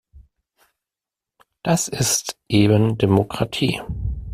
Das ist eben Demokratie.